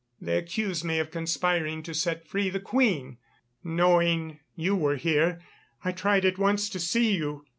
They accuse me of conspiring to set free the Queen. Knowing you were here, I tried at once to see you.